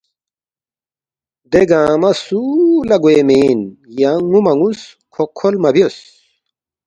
دے گنگمہ سُو لہ گوے مین، یانگ نُ٘و مہ نُ٘وس، کھوقکھول مہ بیوس